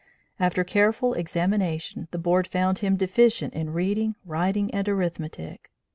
After careful examination, the board found him deficient in reading, writing and arithmetic.